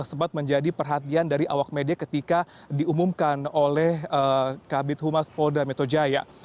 yang sempat menjadi perhatian dari awak media ketika diumumkan oleh kabinet humas polda metojaya